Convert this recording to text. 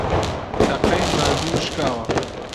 تەقەی مازوو شکاوە